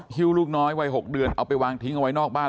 ฮิ้วลูกน้อยวัย๖เดือนเอาไปวางทิ้งเอาไว้นอกบ้าน